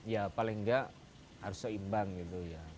ya paling nggak harus seimbang gitu ya